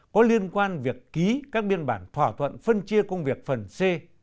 có liên quan việc ký các biên bản thỏa thuận phân chia công việc phần c